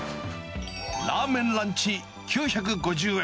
ラーメンランチ９５０円。